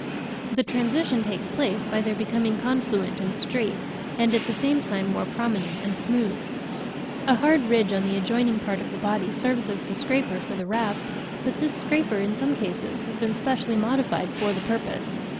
The transition takes place by their becoming confluent and straight, and at the same time more prominent and smooth. A hard ridge on an adjoining part of the body serves as the scraper for the rasp, but this scraper in some cases has been specially modified for the purpose.